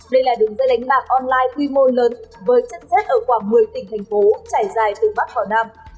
đây là đường xe đánh bạc online quy mô lớn với chất xét ở khoảng một mươi tỉnh thành phố trải dài từ bắc vào nam